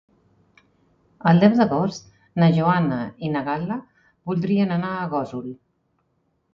El deu d'agost na Joana i na Gal·la voldrien anar a Gósol.